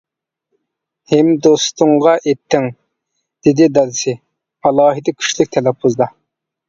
-ھىم دوستۇڭغا ئېيتتىڭ؟ -دېدى دادىسى ئالاھىدە كۈچلۈك تەلەپپۇزدا.